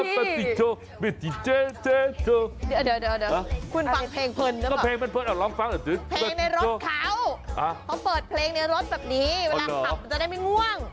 เพลงในรถเขาเพราะเปิดเพลงในรถแบบนี้เวลาขับจะได้ไม่ง่วง